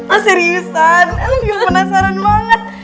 ah seriusan el gue penasaran banget